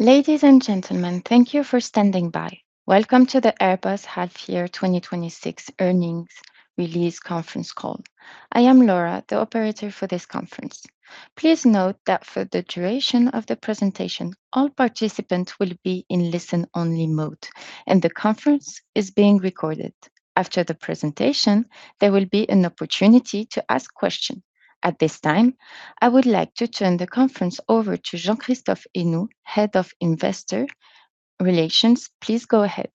Ladies and gentlemen, thank you for standing by. Welcome to the Airbus half year 2026 earnings release conference call. I am Laura, the Operator for this conference. Please note that for the duration of the presentation, all participants will be in listen-only mode, and the conference is being recorded. After the presentation, there will be an opportunity to ask questions. At this time, I would like to turn the conference over to Jean-Christophe Henoux, Head of Investor Relations. Please go ahead.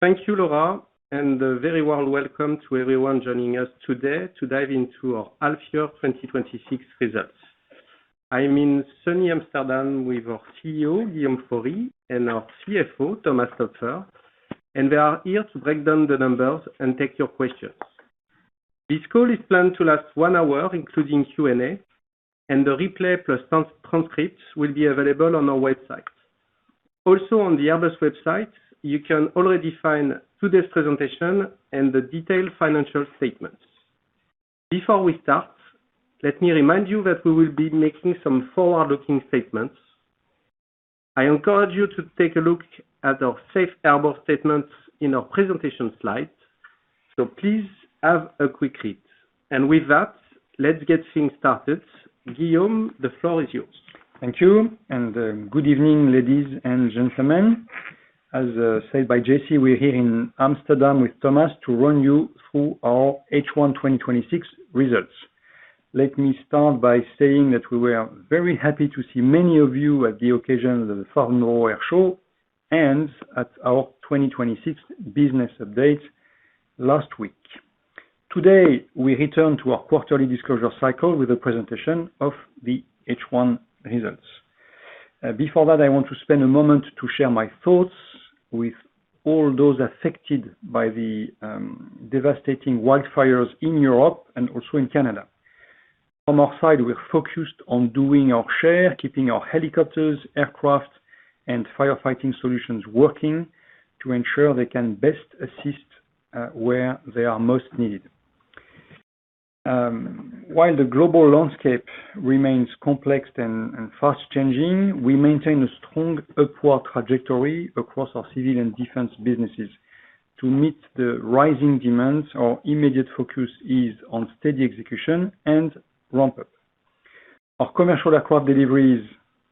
Thank you, Laura, a very warm welcome to everyone joining us today to dive into our half year 2026 results. I am in sunny Amsterdam with our CEO, Guillaume Faury, and our CFO, Thomas Toepfer, we are here to break down the numbers and take your questions. This call is planned to last one hour, including Q&A, and the replay plus transcript will be available on our website. On the Airbus website, you can already find today's presentation and the detailed financial statements. Before we start, let me remind you that we will be making some forward-looking statements. I encourage you to take a look at our safe harbor statements in our presentation slides. Please have a quick read. With that, let's get things started. Guillaume, the floor is yours. Thank you, good evening, ladies and gentlemen. As said by J.C., we're here in Amsterdam with Thomas to run you through our H1 2026 results. Let me start by saying that we were very happy to see many of you at the occasion of the Farnborough Airshow, at our 2026 business update last week. Today, we return to our quarterly disclosure cycle with a presentation of the H1 results. Before that, I want to spend a moment to share my thoughts with all those affected by the devastating wildfires in Europe in Canada. From our side, we're focused on doing our share, keeping our helicopters, aircraft, and firefighting solutions working to ensure they can best assist, where they are most needed. The global landscape remains complex and fast-changing, we maintain a strong upward trajectory across our civil and defense businesses. To meet the rising demands, our immediate focus is on steady execution and ramp-up. Our commercial aircraft deliveries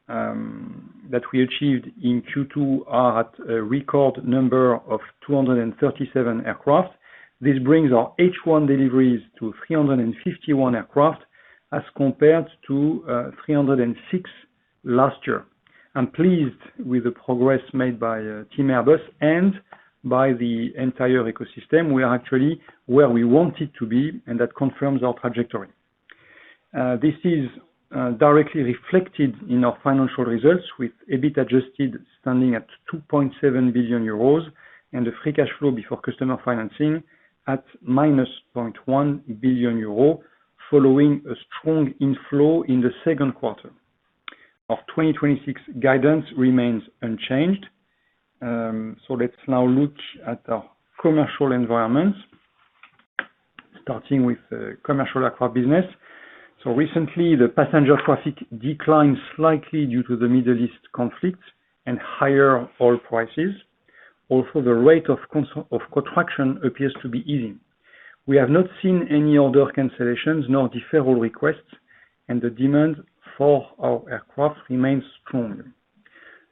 that we achieved in Q2 are at a record number of 237 aircraft. This brings our H1 deliveries to 351 aircraft as compared to 306 last year. I'm pleased with the progress made by Team Airbus and by the entire ecosystem. We are actually where we wanted to be, that confirms our trajectory. This is directly reflected in our financial results with EBIT adjusted standing at 2.7 billion euros and the free cash flow before customer financing at -0.1 billion euro following a strong inflow in the second quarter. Our 2026 guidance remains unchanged. Let's now look at our commercial environment. Starting with the commercial aircraft business. Recently, the passenger traffic declined slightly due to the Middle East conflict and higher oil prices. The rate of contraction appears to be easing. We have not seen any order cancellations nor deferral requests, and the demand for our aircraft remains strong.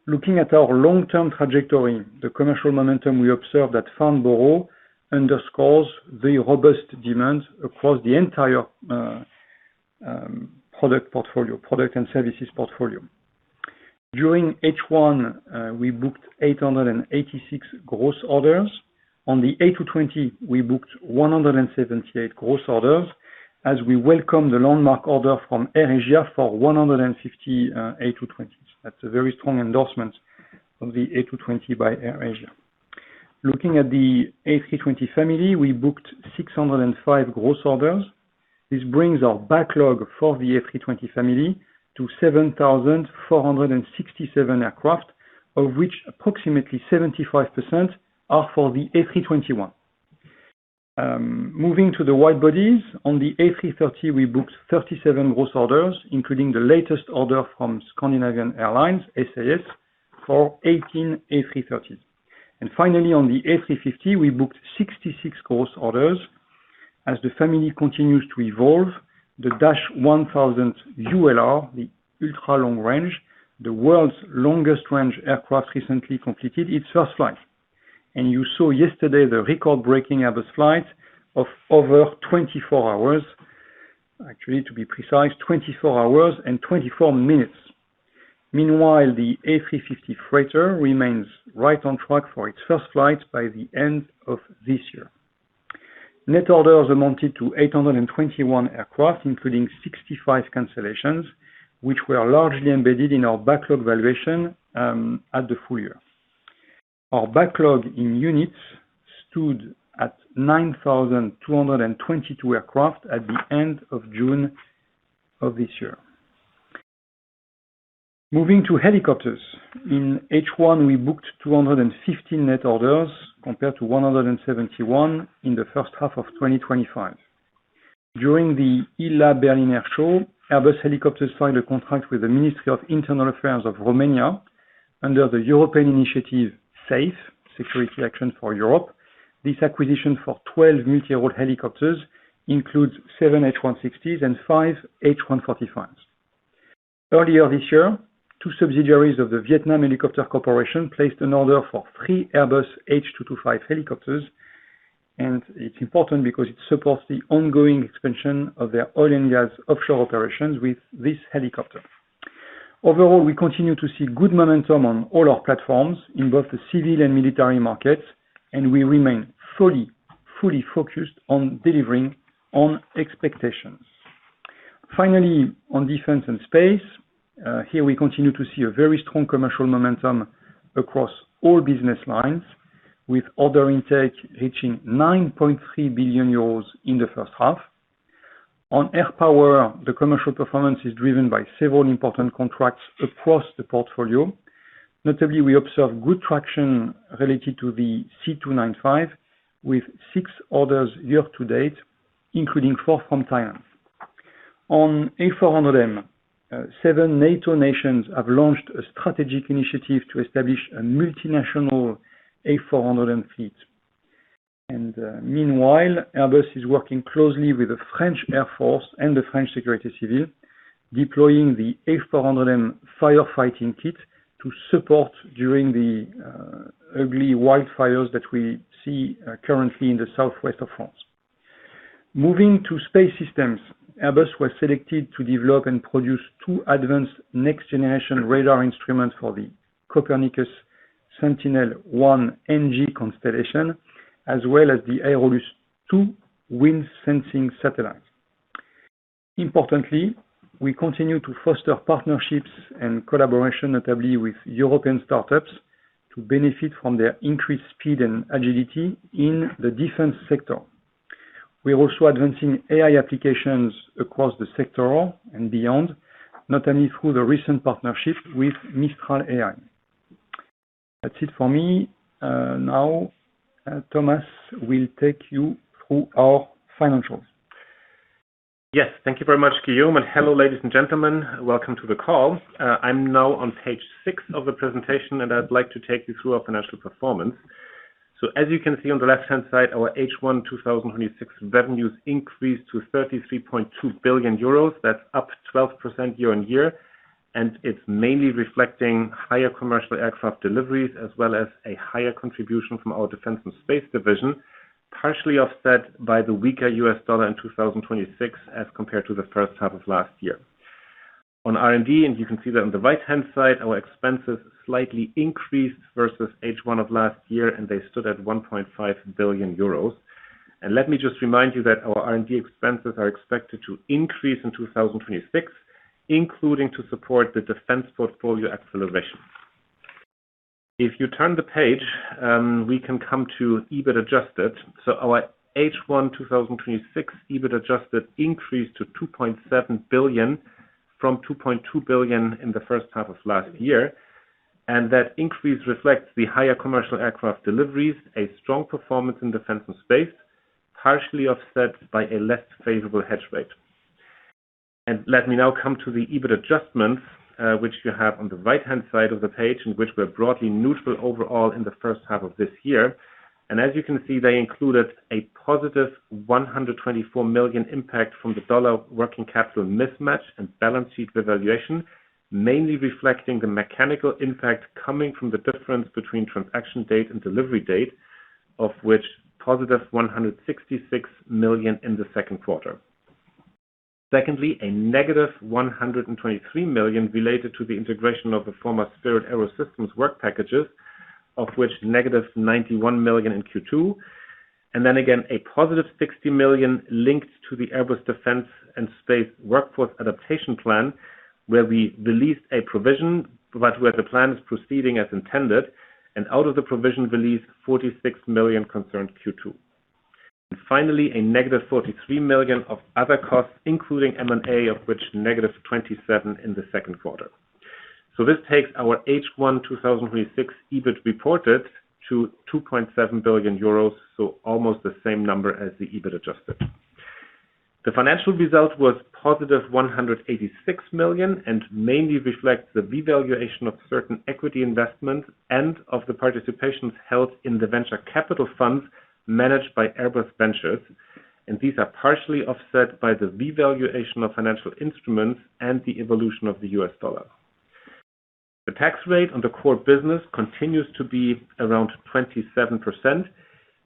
Looking at our long-term trajectory, the commercial momentum we observed at Farnborough underscores the robust demand across the entire product and services portfolio. During H1, we booked 886 gross orders. On the A220, we booked 178 gross orders as we welcome the landmark order from AirAsia for 150 A220s. That's a very strong endorsement of the A220 by AirAsia. Looking at the A320 family, we booked 605 gross orders. This brings our backlog for the A320 family to 7,467 aircraft, of which approximately 75% are for the A321. Moving to the wide bodies. On the A330, we booked 37 gross orders, including the latest order from Scandinavian Airlines, SAS, for 18 A330s. Finally, on the A350, we booked 66 gross orders. As the family continues to evolve, the -1000ULR, the ultra long range, the world's longest range aircraft, recently completed its first flight. You saw yesterday the record-breaking Airbus flight of over 24 hours. Actually, to be precise, 24 hours and 24 minutes. Meanwhile, the A350 freighter remains right on track for its first flight by the end of this year. Net orders amounted to 821 aircraft, including 65 cancellations, which were largely embedded in our backlog valuation at the full year. Our backlog in units stood at 9,222 aircraft at the end of June of this year. Moving to helicopters. In H1, we booked 215 net orders compared to 171 in the first half of 2025. During the ILA Berlin Air Show, Airbus Helicopters signed a contract with the Ministry of Internal Affairs of Romania under the European Initiative, SAFE, Security Action for Europe. This acquisition for 12 military helicopters includes seven H160s and five H145s. Earlier this year, two subsidiaries of the Vietnam Helicopter Corporation placed an order for three Airbus H225 helicopters, and it's important because it supports the ongoing expansion of their oil and gas offshore operations with this helicopter. Overall, we continue to see good momentum on all our platforms in both the civil and military markets, and we remain fully focused on delivering on expectations. Finally, on defense and space. Here we continue to see a very strong commercial momentum across all business lines, with order intake reaching 9.3 billion euros in the first half. On Air Power, the commercial performance is driven by several important contracts across the portfolio. Notably, we observe good traction related to the C295, with six orders year to date, including four from Thailand. On A400M, seven NATO nations have launched a strategic initiative to establish a multinational A400M fleet. Meanwhile, Airbus is working closely with the French Air Force and the French Sécurité Civile, deploying the A400M firefighting kit to support during the ugly wildfires that we see currently in the southwest of France. Moving to space systems, Airbus was selected to develop and produce two advanced next-generation radar instruments for the Copernicus Sentinel-1 NG constellation, as well as the Aeolus-2 wind-sensing satellite. Importantly, we continue to foster partnerships and collaboration, notably with European startups, to benefit from their increased speed and agility in the defense sector. We are also advancing AI applications across the sector and beyond, notably through the recent partnership with Mistral AI. That's it for me. Now, Thomas will take you through our financials. Yes. Thank you very much, Guillaume. Hello, ladies and gentlemen. Welcome to the call. I'm now on page six of the presentation, and I'd like to take you through our financial performance. As you can see on the left-hand side, our H1 2026 revenues increased to 33.2 billion euros. That's up 12% year-on-year, and it's mainly reflecting higher commercial aircraft deliveries, as well as a higher contribution from our Airbus Defence and Space division, partially offset by the weaker US dollar in 2026 as compared to the first half of last year. On R&D, you can see that on the right-hand side, our expenses slightly increased versus H1 of last year, and they stood at 1.5 billion euros. Let me just remind you that our R&D expenses are expected to increase in 2026, including to support the defense portfolio acceleration. If you turn the page, we can come to EBIT adjusted. Our H1 2026 EBIT adjusted increased to 2.7 billion from 2.2 billion in the first half of last year. That increase reflects the higher commercial aircraft deliveries, a strong performance in Airbus Defence and Space, partially offset by a less favorable hedge rate. Let me now come to the EBIT adjustments, which you have on the right-hand side of the page and which were broadly neutral overall in the first half of this year. As you can see, they included a positive 124 million impact from the dollar working capital mismatch and balance sheet revaluation, mainly reflecting the mechanical impact coming from the difference between transaction date and delivery date, of which positive 166 million in the second quarter. Secondly, a -123 million related to the integration of the former Spirit AeroSystems work packages, of which negative 91 million in Q2. Then again, a +60 million linked to the Airbus Defence and Space Workforce Adaptation plan, where we released a provision, but where the plan is proceeding as intended, and out of the provision release, 46 million concerned Q2. Finally, a -43 million of other costs, including M&A, of which negative 27 in the second quarter. This takes our H1 2026 EBIT reported to 2.7 billion euros, so almost the same number as the EBIT adjusted. The financial result was positive 186 million and mainly reflects the revaluation of certain equity investments and of the participations held in the venture capital funds managed by Airbus Ventures, and these are partially offset by the revaluation of financial instruments and the evolution of the US dollar. The tax rate on the core business continues to be around 27%.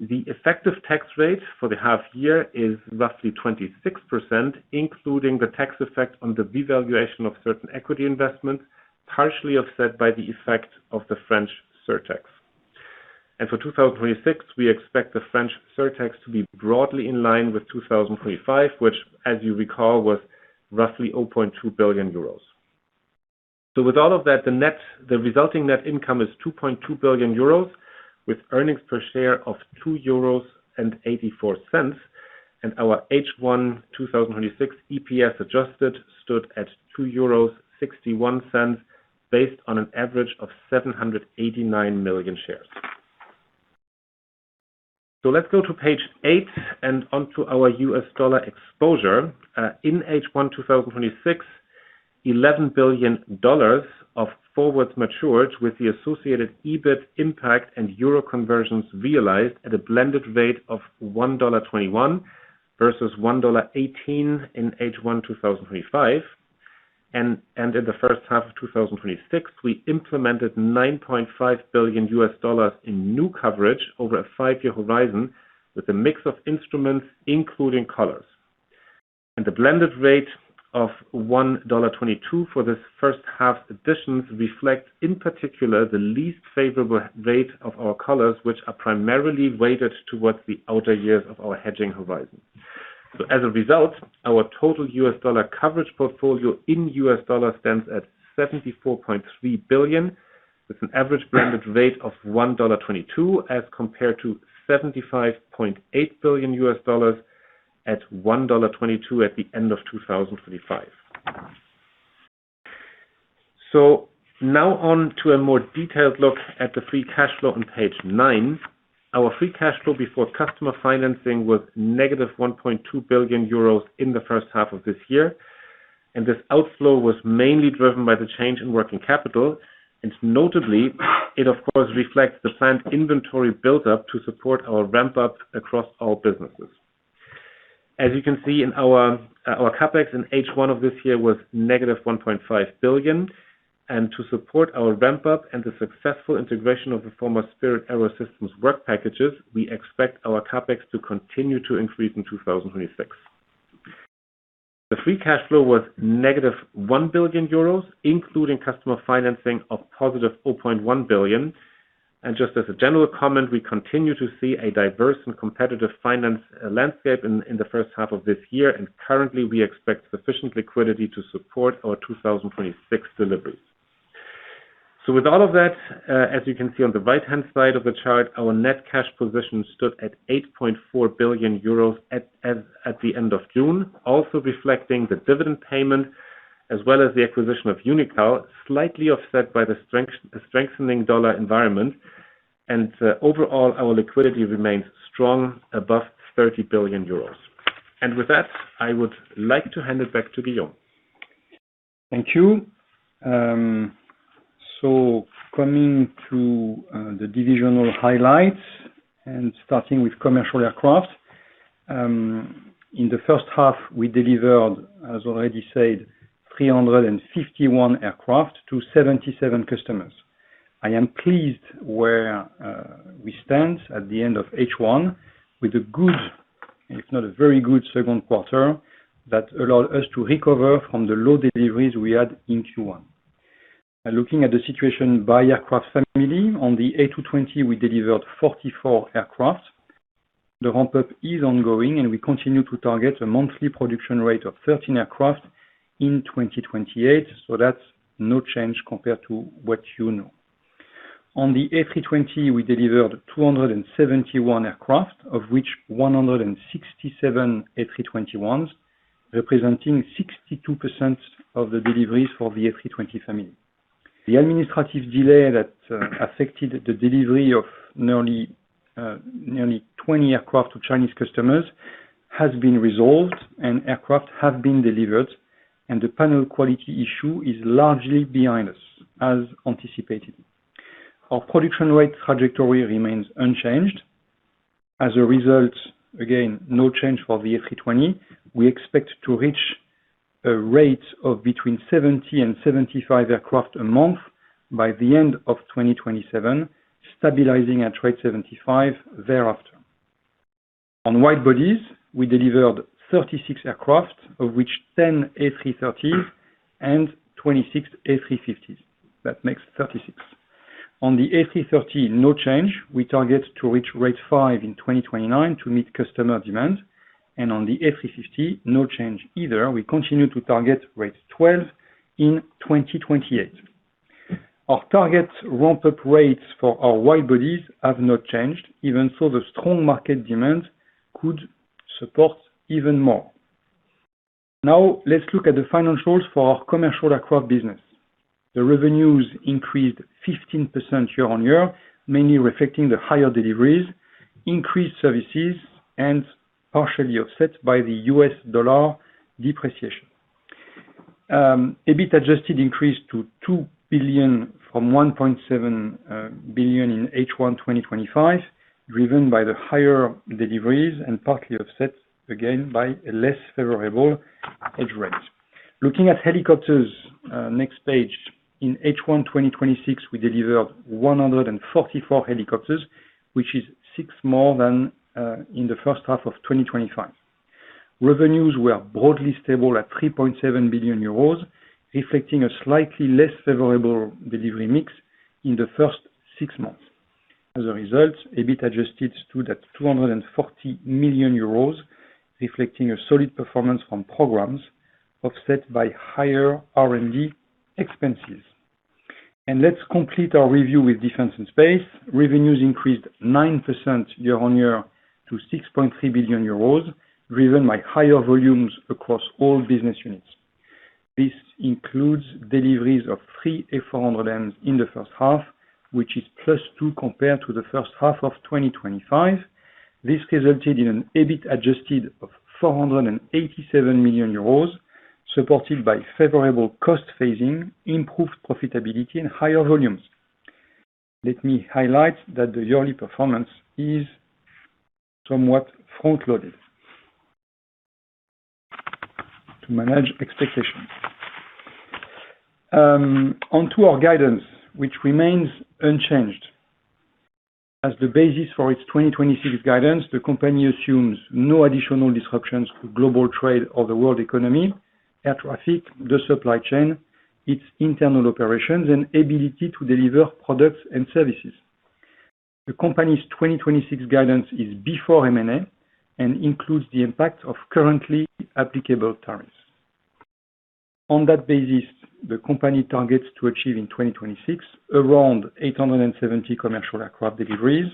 The effective tax rate for the half year is roughly 26%, including the tax effect on the revaluation of certain equity investments, partially offset by the effect of the French surtax. For 2026, we expect the French surtax to be broadly in line with 2025, which as you recall, was roughly 0.2 billion euros. With all of that, the resulting net income is 2.2 billion euros, with earnings per share of 2.84 euros, and our H1 2026 EPS adjusted stood at 2.61 euros, based on an average of 789 million shares. Let's go to page eight and onto our US dollar exposure. In H1 2026, $11 billion of forwards matured with the associated EBIT impact and euro conversions realized at a blended rate of $1.21 versus $1.18 in H1 2025. In the first half of 2026, we implemented $9.5 billion US in new coverage over a five-year horizon, with a mix of instruments, including collars. The blended rate of $1.22 for this first half additions reflect, in particular, the least favorable rate of our collars, which are primarily weighted towards the outer years of our hedging horizon. As a result, our total US dollar coverage portfolio in US dollar stands at $74.3 billion, with an average blended rate of $1.22 as compared to $75.8 billion US at $1.22 at the end of 2025. Now on to a more detailed look at the free cash flow on page nine. Our free cash flow before customer financing was negative 1.2 billion euros in the first half of this year, and this outflow was mainly driven by the change in working capital. Notably, it of course reflects the planned inventory buildup to support our ramp-up across all businesses. As you can see in our CapEx in H1 of this year was -1.5 billion, and to support our ramp-up and the successful integration of the former Spirit AeroSystems work packages, we expect our CapEx to continue to increase in 2026. The free cash flow was -1 billion euros, including customer financing of +4.1 billion. Just as a general comment, we continue to see a diverse and competitive finance landscape in the first half of this year, and currently, we expect sufficient liquidity to support our 2026 deliveries. With all of that, as you can see on the right-hand side of the chart, our net cash position stood at 8.4 billion euros at the end of June, also reflecting the dividend payment as well as the acquisition of Unical, slightly offset by the strengthening dollar environment. Overall, our liquidity remains strong above 30 billion euros. With that, I would like to hand it back to Guillaume. Thank you. Coming to the divisional highlights and starting with commercial aircraft. In the first half, we delivered, as already said, 351 aircraft to 77 customers. I am pleased where we stand at the end of H1 with a good, if not a very good second quarter, that allow us to recover from the low deliveries we had in Q1. Looking at the situation by aircraft family. On the A220, we delivered 44 aircraft. The ramp-up is ongoing, and we continue to target a monthly production rate of 13 aircraft in 2028, that's no change compared to what you know. On the A320, we delivered 271 aircraft, of which 167 A321s, representing 62% of the deliveries for the A320 family. The administrative delay that affected the delivery of nearly 20 aircraft to Chinese customers has been resolved, and aircraft have been delivered, and the panel quality issue is largely behind us, as anticipated. Our production rate trajectory remains unchanged. Again, no change for the A320. We expect to reach a rate of between 70 and 75 aircraft a month by the end of 2027, stabilizing at rate 75 thereafter. On wide bodies, we delivered 36 aircraft, of which 10 A330 and 26 A350s. That makes 36. On the A330, no change. We target to reach rate five in 2029 to meet customer demand, and on the A350, no change either. We continue to target rate 12 in 2028. Our target ramp-up rates for our wide bodies have not changed, even so the strong market demand could support even more. Let's look at the financials for our commercial aircraft business. The revenues increased 15% year-on-year, mainly reflecting the higher deliveries, increased services, and partially offset by the U.S. dollar depreciation. EBIT adjusted increased to 2 billion from 1.7 billion in H1 2025, driven by the higher deliveries and partly offset, again, by a less favorable hedge rate. Looking at helicopters, next page. In H1 2026, we delivered 144 helicopters, which is six more than in the first half of 2025. Revenues were broadly stable at 3.7 billion euros, reflecting a slightly less favorable delivery mix in the first six months. As a result, EBIT adjusted stood at 240 million euros, reflecting a solid performance from programs offset by higher R&D expenses. Let's complete our review with defense and space. Revenues increased 9% year-on-year to 6.3 billion euros, driven by higher volumes across all business units. This includes deliveries of three A400Ms in the first half, which is +2 compared to the first half of 2025. This resulted in an EBIT adjusted of 487 million euros, supported by favorable cost phasing, improved profitability, and higher volumes. Let me highlight that the yearly performance is somewhat front-loaded to manage expectations. On to our guidance, which remains unchanged. As the basis for its 2026 guidance, the company assumes no additional disruptions to global trade or the world economy, air traffic, the supply chain, its internal operations, and ability to deliver products and services. The company's 2026 guidance is before M&A and includes the impact of currently applicable tariffs. On that basis, the company targets to achieve in 2026 around 870 commercial aircraft deliveries,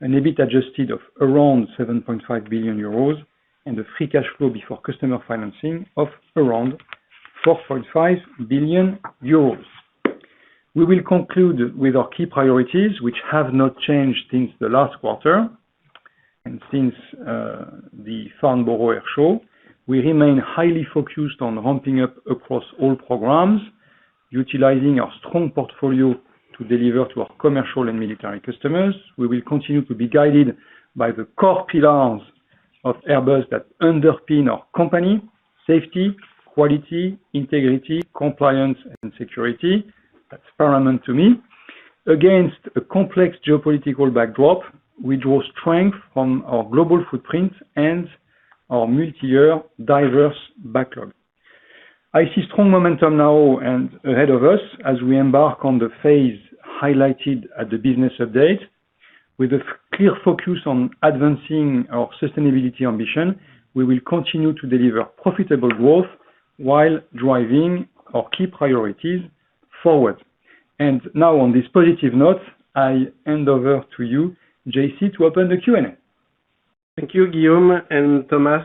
an EBIT adjusted of around 7.5 billion euros, and a free cash flow before customer financing of around 4.5 billion euros. We will conclude with our key priorities, which have not changed since the last quarter. Since the Farnborough Airshow, we remain highly focused on ramping up across all programs, utilizing our strong portfolio to deliver to our commercial and military customers. We will continue to be guided by the core pillars of Airbus that underpin our company: safety, quality, integrity, compliance, and security. That is paramount to me. Against a complex geopolitical backdrop, we draw strength from our global footprint and our multi-year diverse backlog. I see strong momentum now and ahead of us as we embark on the phase highlighted at the business update. With a clear focus on advancing our sustainability ambition, we will continue to deliver profitable growth while driving our key priorities forward. Now on this positive note, I hand over to you, J.C., to open the Q&A. Thank you, Guillaume and Thomas.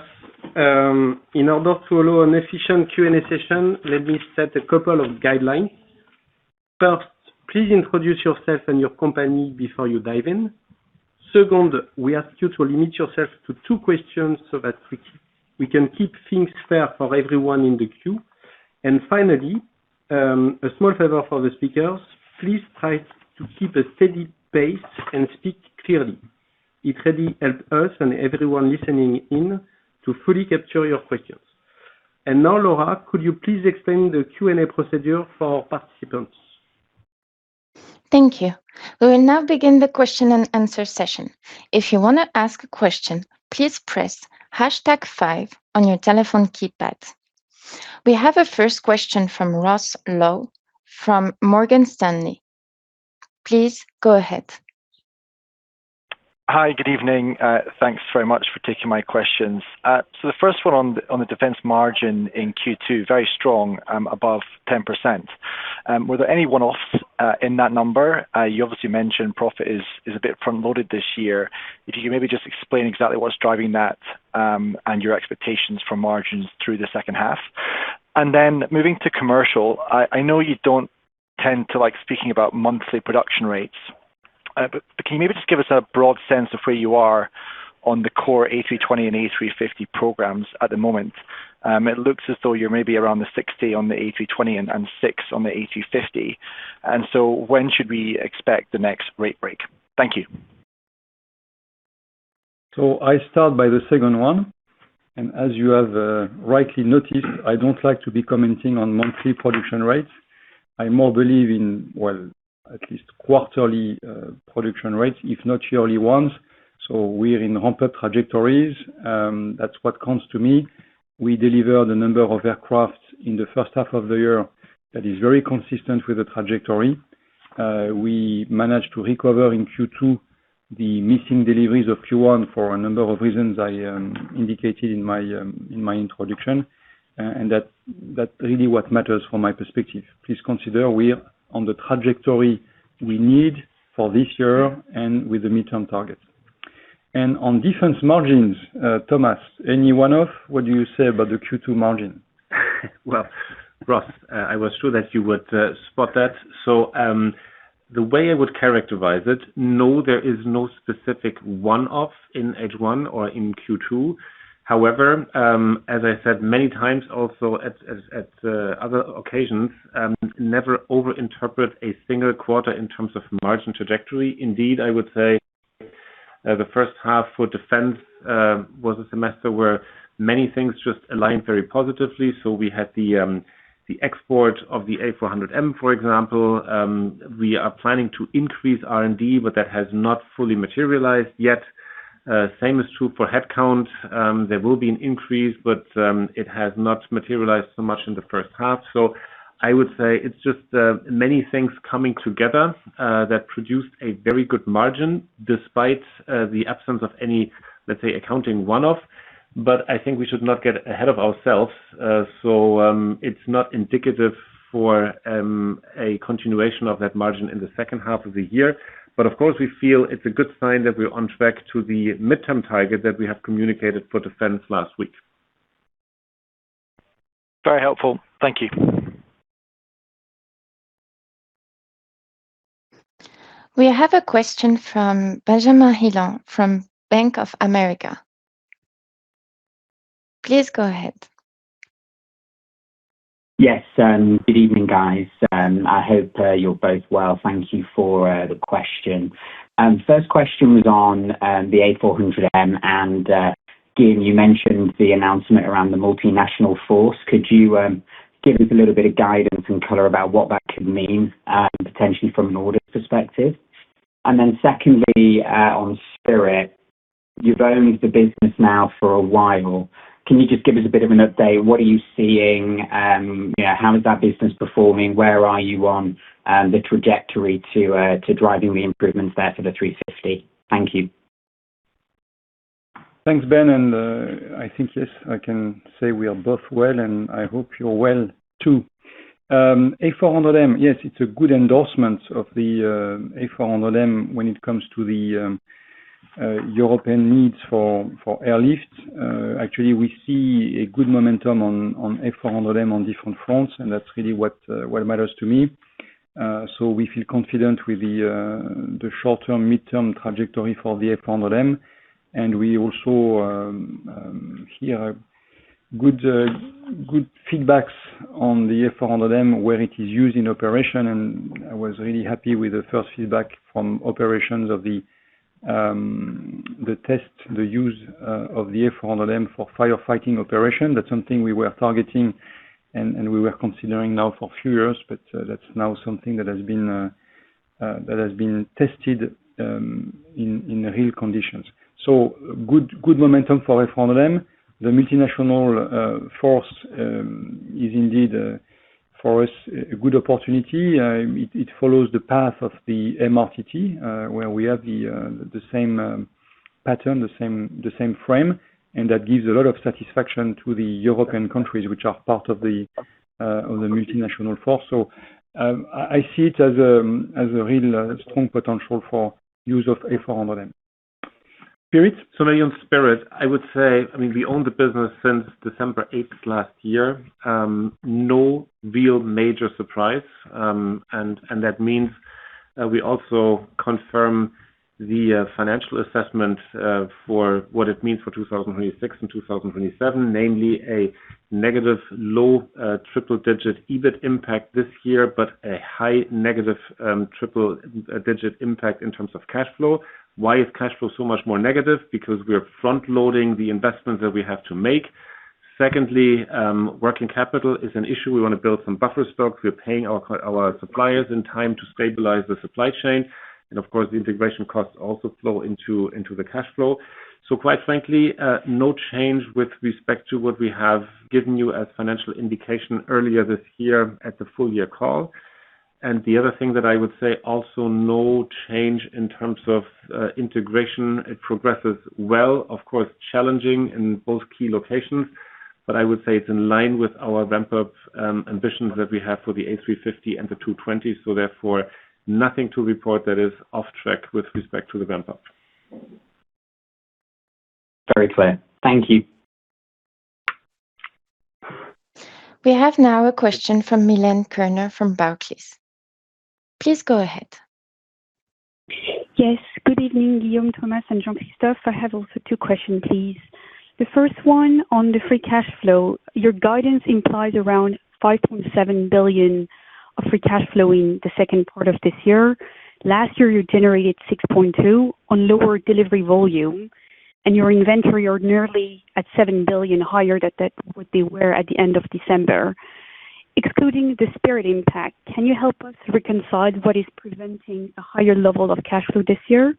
In order to allow an efficient Q&A session, let me set a couple of guidelines. First, please introduce yourself and your company before you dive in. Second, we ask you to limit yourself to two questions so that we can keep things fair for everyone in the queue. Finally, a small favor for the speakers, please try to keep a steady pace and speak clearly. It really helps us and everyone listening in to fully capture your questions. Now, Laura, could you please explain the Q&A procedure for our participants? Thank you. We will now begin the question and answer session. If you want to ask a question, please press hashtag five on your telephone keypad. We have a first question from Ross Law from Morgan Stanley. Please go ahead. Hi. Good evening. Thanks very much for taking my questions. The first one on the defense margin in Q2, very strong above 10%. Were there any one-offs in that number? You obviously mentioned profit is a bit front-loaded this year. If you could maybe just explain exactly what's driving that, and your expectations for margins through the second half. Moving to commercial, I know you don't tend to like speaking about monthly production rates, but can you maybe just give us a broad sense of where you are on the core A320 and A350 programs at the moment? It looks as though you're maybe around the 60 on the A320 and six on the A350. When should we expect the next rate break? Thank you. I start by the second one, and as you have rightly noticed, I don't like to be commenting on monthly production rates. I more believe in, well, at least quarterly production rates, if not yearly ones. We are in ramped trajectories. That's what counts to me. We delivered a number of aircrafts in the first half of the year that is very consistent with the trajectory. We managed to recover in Q2 the missing deliveries of Q1 for a number of reasons I indicated in my introduction. That's really what matters from my perspective. Please consider we are on the trajectory we need for this year and with the midterm target. On different margins, Thomas, any one-off? What do you say about the Q2 margin? Well, Ross, I was sure that you would spot that. The way I would characterize it, no, there is no specific one-off in H1 or in Q2. However, as I said many times also at other occasions, never over-interpret a single quarter in terms of margin trajectory. Indeed, I would say the first half for defense was a semester where many things just aligned very positively. We had the export of the A400M, for example. We are planning to increase R&D, but that has not fully materialized yet. Same is true for headcount. There will be an increase, but it has not materialized so much in the first half. I would say it's just many things coming together that produced a very good margin despite the absence of any, let's say, accounting one-off. I think we should not get ahead of ourselves. It's not indicative for a continuation of that margin in the second half of the year. Of course, we feel it's a good sign that we're on track to the midterm target that we have communicated for defense last week. Very helpful. Thank you. We have a question from Benjamin Heelan from Bank of America. Please go ahead. Yes. Good evening, guys. I hope you're both well. Thank you for the question. First question was on the A400M, and Guillaume, you mentioned the announcement around the multinational force. Could you give us a little bit of guidance and color about what that could mean, potentially from an order perspective? Secondly, on Spirit, you've owned the business now for a while. Can you just give us a bit of an update? What are you seeing? How is that business performing? Where are you on the trajectory to driving the improvements there for the A350? Thank you. Thanks, Ben. I think, yes, I can say we are both well, and I hope you're well, too. A400M, yes, it's a good endorsement of the A400M when it comes to the European needs for airlift. Actually, we see a good momentum on A400M on different fronts, and that's really what matters to me. We feel confident with the short-term, mid-term trajectory for the A400M, and we also hear good feedbacks on the A400M, where it is used in operation, and I was really happy with the first feedback from operations of the test, the use of the A400M for firefighting operation. That's something we were targeting and we were considering now for a few years, but that's now something that has been tested in real conditions. Good momentum for A400M. The multinational force is indeed for us a good opportunity. It follows the path of the MRTT, where we have the same pattern, the same frame, and that gives a lot of satisfaction to the European countries which are part of the multinational force. I see it as a real strong potential for use of A400M. Spirit. Maybe on Spirit, I would say, we own the business since December 8th last year. No real major surprise, and that means that we also confirm the financial assessment for what it means for 2026 and 2027, namely a negative low triple-digit EBIT impact this year, but a high negative triple-digit impact in terms of cash flow. Why is cash flow so much more negative? Because we are front-loading the investments that we have to make. Secondly, working capital is an issue. We want to build some buffer stocks. We are paying our suppliers in time to stabilize the supply chain. Of course, the integration costs also flow into the cash flow. Quite frankly, no change with respect to what we have given you as financial indication earlier this year at the full year call. The other thing that I would say, also no change in terms of integration. It progresses well, of course, challenging in both key locations, but I would say it is in line with our ramp-up ambitions that we have for the A350 and the A220, therefore, nothing to report that is off track with respect to the ramp-up. Very clear. Thank you. We have now a question from Milène Kerner from Barclays. Please go ahead. Yes. Good evening, Guillaume, Thomas, and Jean-Christophe. I have also two question, please. The first one on the free cash flow. Your guidance implies around 5.7 billion of free cash flow in the second part of this year. Last year, you generated 6.2 billion on lower delivery volume, and your inventory are nearly at 7 billion higher than that would be were at the end of December. Excluding the Spirit impact, can you help us reconcile what is preventing a higher level of cash flow this year?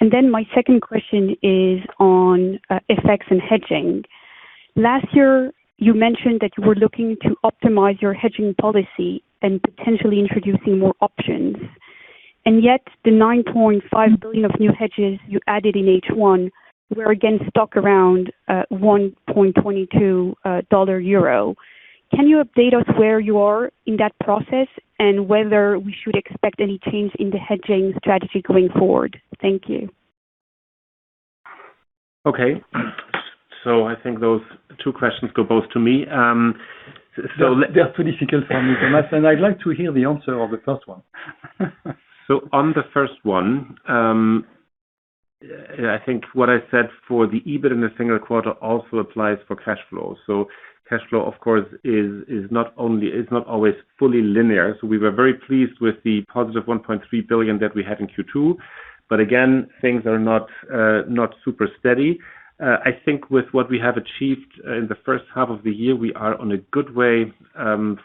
My second question is on FX and hedging. Last year, you mentioned that you were looking to optimize your hedging policy and potentially introducing more options. Yet the 9.5 billion of new hedges you added in H1 were again stock around $1.22 euro. Can you update us where you are in that process and whether we should expect any change in the hedging strategy going forward? Thank you. Okay. I think those two questions go both to me. They're too difficult for me, Thomas, and I'd like to hear the answer of the first one. On the first one, I think what I said for the EBIT in the single quarter also applies for cash flow. Cash flow, of course, is not always fully linear. We were very pleased with the positive 1.3 billion that we had in Q2. Again, things are not super steady. I think with what we have achieved in the first half of the year, we are on a good way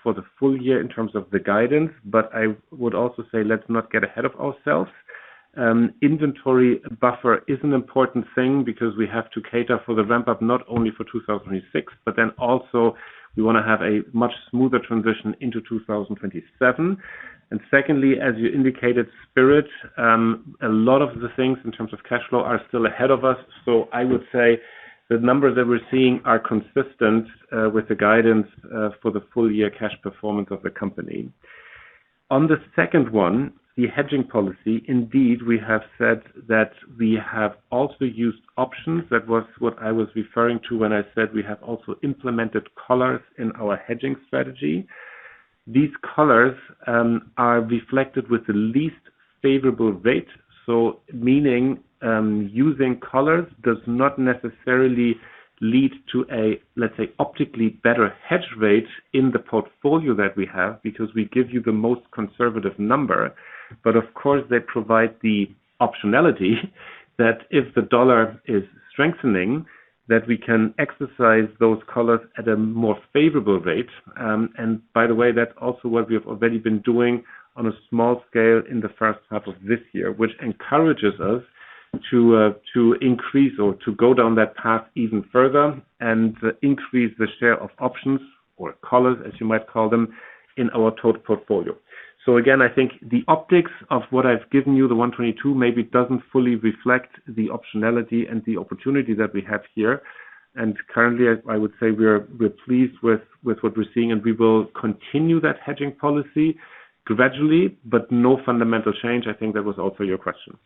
for the full year in terms of the guidance. I would also say let's not get ahead of ourselves. Inventory buffer is an important thing because we have to cater for the ramp-up not only for 2026, but then also we want to have a much smoother transition into 2027. Secondly, as you indicated, Spirit, a lot of the things in terms of cash flow are still ahead of us. I would say the numbers that we're seeing are consistent with the guidance for the full year cash performance of the company. On the second one, the hedging policy, indeed, we have said that we have also used options. That was what I was referring to when I said we have also implemented collars in our hedging strategy. These collars are reflected with the least favorable rate. Meaning, using collars does not necessarily LEAD! to a, let's say, optically better hedge rate in the portfolio that we have, because we give you the most conservative number. Of course, they provide the optionality that if the dollar is strengthening, that we can exercise those collars at a more favorable rate. By the way, that's also what we have already been doing on a small scale in the first half of this year, which encourages us to increase or to go down that path even further and increase the share of options or collars, as you might call them, in our total portfolio. Again, I think the optics of what I've given you, the 122, maybe doesn't fully reflect the optionality and the opportunity that we have here. Currently, I would say we're pleased with what we're seeing, and we will continue that hedging policy gradually, but no fundamental change. I think that was also your question.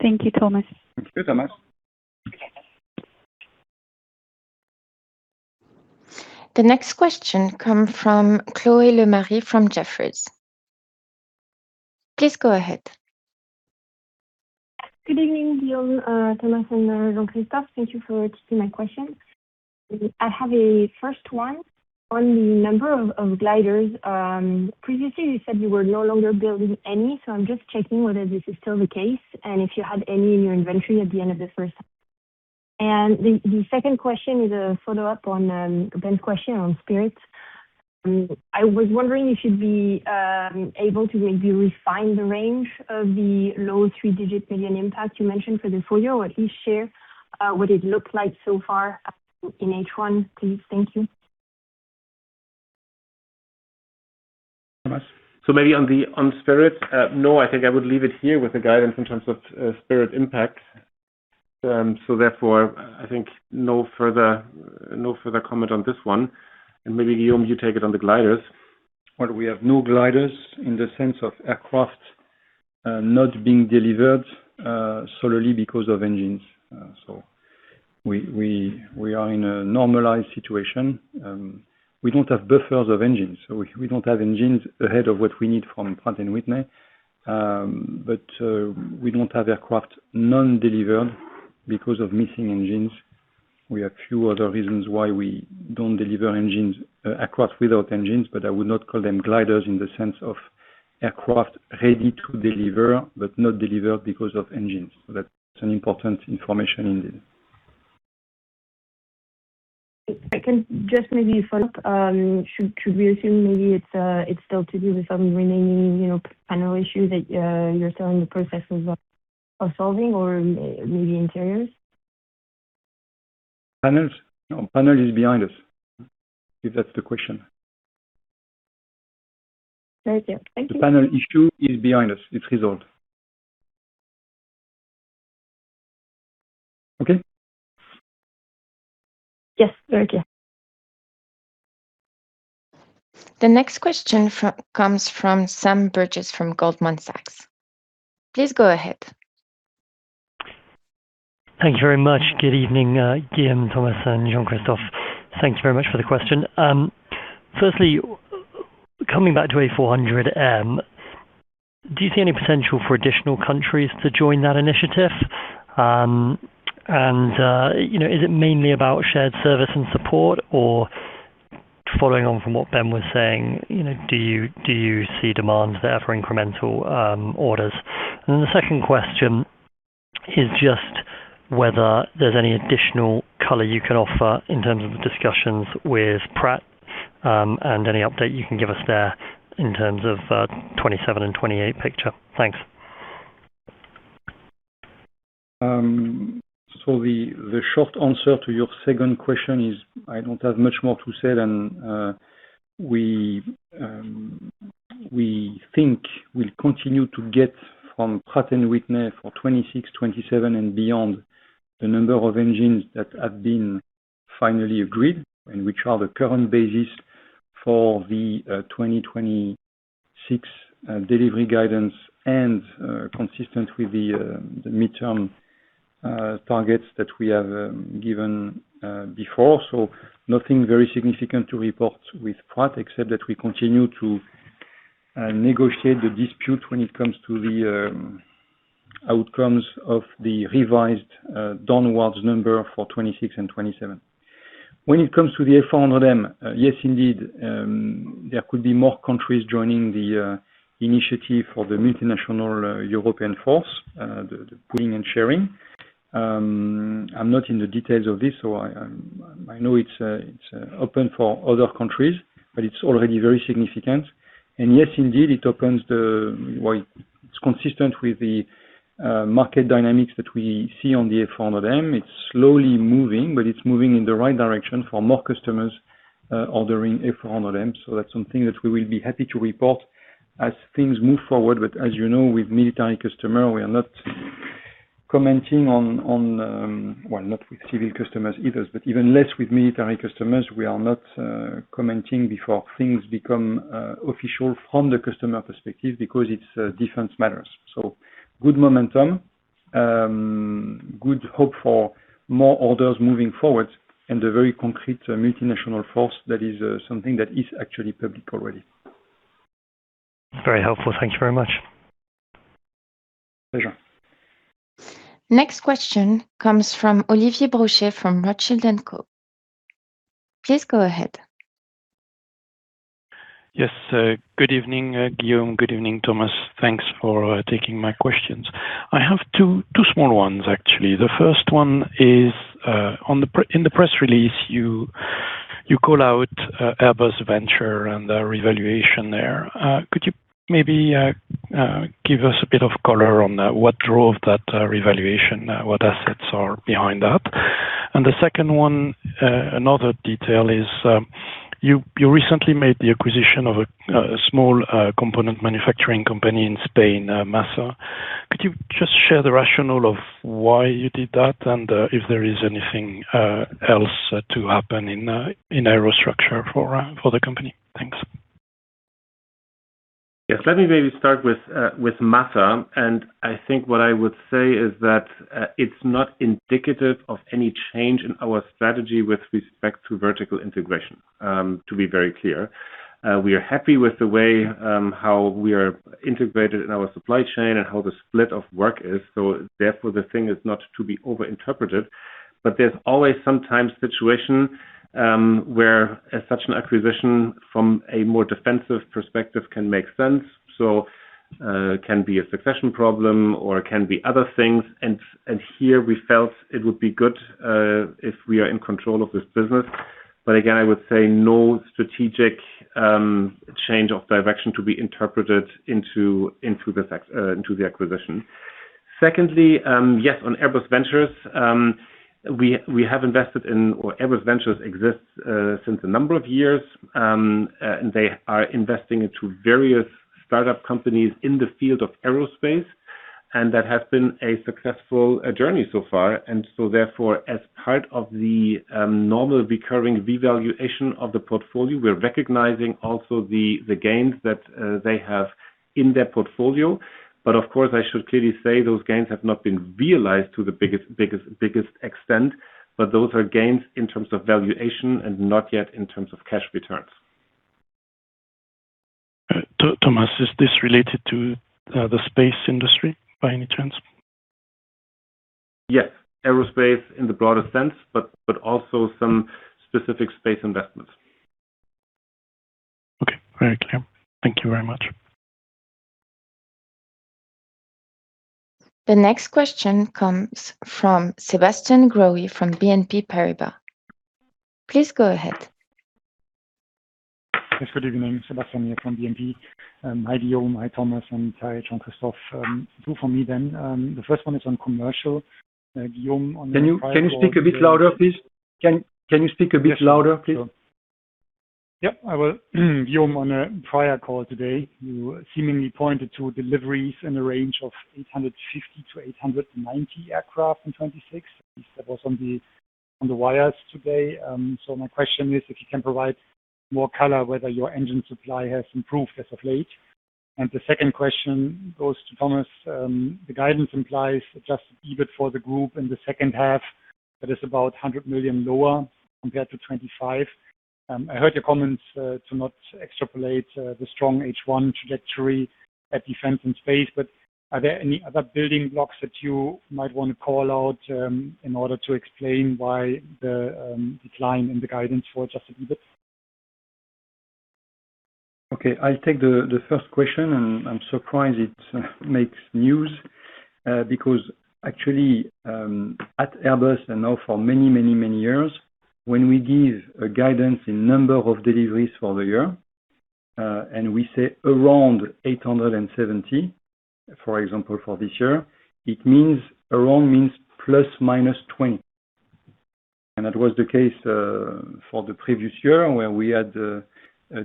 Thank you, Thomas. Thank you so much. The next question come from Chloé Lemarié from Jefferies. Please go ahead. Good evening, Guillaume, Thomas, and Jean-Christophe. Thank you for taking my question. I have a first one on the number of gliders. Previously, you said you were no longer building any, so I'm just checking whether this is still the case and if you have any in your inventory at the end of the first. The second question is a follow-up on Ben's question on Spirit. I was wondering if you'd be able to maybe refine the range of the low three-digit million impact you mentioned for the full year, or at least share what it looked like so far in H1, please. Thank you. Maybe on Spirit, no, I think I would leave it here with the guidance in terms of Spirit impact. Therefore, I think no further comment on this one. Maybe Guillaume, you take it on the gliders. We have no gliders in the sense of aircraft not being delivered solely because of engines. We are in a normalized situation. We don't have buffers of engines. We don't have engines ahead of what we need from Pratt & Whitney. We don't have aircraft non-delivered because of missing engines. We have few other reasons why we don't deliver aircraft without engines, but I would not call them gliders in the sense of aircraft ready to deliver, but not delivered because of engines. That's an important information indeed. If I can just maybe follow up. Should we assume maybe it's still to do with some remaining panel issue that you're still in the process of solving or maybe interiors? Panels? No, panel is behind us. If that's the question. Very clear. Thank you. The panel issue is behind us. It's resolved. Okay? Yes. Very clear. The next question comes from Sam Burgess from Goldman Sachs. Please go ahead. Thank you very much. Good evening, Guillaume, Thomas, and Jean-Christophe. Thanks very much for the question. Firstly, coming back to A400M, do you see any potential for additional countries to join that initiative? Is it mainly about shared service and support, or following on from what Ben was saying, do you see demand there for incremental orders? The second question is just whether there's any additional color you can offer in terms of the discussions with Pratt, and any update you can give us there in terms of 2027 and 2028 picture. Thanks. The short answer to your second question is I don't have much more to say than we think we'll continue to get from Pratt & Whitney for 2026, 2027 and beyond the number of engines that have been finally agreed and which are the current basis for the 2026 delivery guidance and consistent with the midterm targets that we have given before. Nothing very significant to report with Pratt except that we continue to negotiate the dispute when it comes to the outcomes of the revised downwards number for 2026 and 2027. When it comes to the A400M, yes, indeed, there could be more countries joining the initiative for the multinational European force, the pooling and sharing. I'm not in the details of this. I know it's open for other countries, it's already very significant. Yes, indeed, it's consistent with the market dynamics that we see on the A400M. It's slowly moving, it's moving in the right direction for more customers ordering A400M. That's something that we will be happy to report as things move forward. As you know, with military customer, we are not commenting on not with civil customers either, even less with military customers. We are not commenting before things become official from the customer perspective because it's defense matters. Good momentum. Good hope for more orders moving forward and a very concrete multinational force that is something that is actually public already. Very helpful. Thank you very much. Pleasure. Next question comes from Olivier Brochet from Rothschild & Co. Please go ahead. Yes. Good evening, Guillaume. Good evening, Thomas. Thanks for taking my questions. I have two small ones, actually. The first one is, in the press release, you call out Airbus Ventures and the revaluation there. Could you maybe give us a bit of color on what drove that revaluation? What assets are behind that? The second one, another detail is, you recently made the acquisition of a small component manufacturing company in Spain, MASA. Could you just share the rationale of why you did that, and if there is anything else to happen in Aerostructure for the company? Thanks. Yes. Let me maybe start with MASA, I think what I would say is that it's not indicative of any change in our strategy with respect to vertical integration, to be very clear. We are happy with the way how we are integrated in our supply chain and how the split of work is. Therefore, the thing is not to be over-interpreted, but there's always sometimes situation, where such an acquisition from a more defensive perspective can make sense. Can be a succession problem or can be other things. Here we felt it would be good if we are in control of this business. Again, I would say no strategic change of direction to be interpreted into the acquisition. Secondly, yes, on Airbus Ventures, Airbus Ventures exists since a number of years. They are investing into various startup companies in the field of aerospace, that has been a successful journey so far. Therefore, as part of the normal recurring revaluation of the portfolio, we're recognizing also the gains that they have in their portfolio. Of course, I should clearly say those gains have not been realized to the biggest extent. Those are gains in terms of valuation and not yet in terms of cash returns. Thomas, is this related to the space industry, by any chance? Yes. Aerospace in the broader sense, but also some specific space investments. Okay. Very clear. Thank you very much. The next question comes from Sebastian Growe from BNP Paribas. Please go ahead. Yes, good evening. Sebastian Growe here from BNP Paribas. Hi, Guillaume Faury. Hi, Thomas Toepfer and Christophe. Two from me. The first one is on commercial. Guillaume Faury, on- Can you speak a bit louder, please? Yes, sure. Yep, I will. Guillaume Faury, on a prior call today, you seemingly pointed to deliveries in the range of 850-890 aircraft in 2026. That was on the wires today. My question is if you can provide more color whether your engine supply has improved as of late. The second question goes to Thomas Toepfer. The guidance implies EBIT adjusted for the group in the second half that is about 100 million lower compared to 2025. I heard your comments to not extrapolate the strong H1 trajectory at Defense and Space, are there any other building blocks that you might want to call out in order to explain why the decline in the guidance for EBIT adjusted? Okay. I'll take the first question. I'm surprised it makes news. Actually, at Airbus for many years, when we give a guidance in number of deliveries for the year, we say around 870, for example, for this year, around means ±20. That was the case for the previous year, where we had a